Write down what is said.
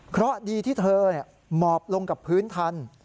เพราะดีที่เธอหมอบลงกับพื้นทัน